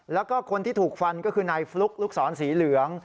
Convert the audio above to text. แล้วก็คนที่ถูกฟันก็คือนายฟลุ๊กลูกศรสีเหลือง